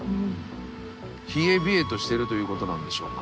冷え冷えとしてるということなんでしょうか？